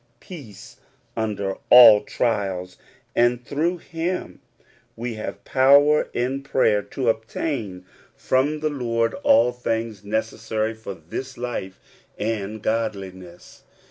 105 peace under al\ trials, and through him we have poAver in prayer to obtain from the Lord all things necessary for this life and godliness.